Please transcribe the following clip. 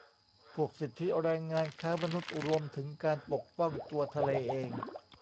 พวกสิทธิแรงงาน ค้ามนุษย์ รวมถึงการปกป้องตัวทะเลเอง